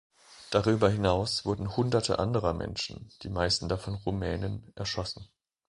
Darüber hinaus wurden hunderte anderer Menschen, die meisten davon Rumänen, erschossen.